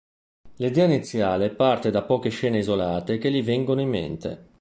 L'idea iniziale parte da poche scene isolate che gli vengono in mente.